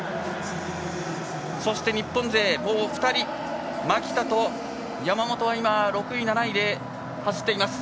そして日本勢、もう２人蒔田と山本は今６位、７位で走っています。